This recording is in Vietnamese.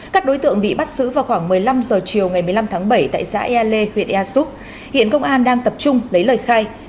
các đối tượng bị bắt giữ vào khoảng một mươi năm h chiều ngày một mươi năm tháng bảy tại xã ea lê huyện ea súp hiện công an đang tập trung lấy lời khai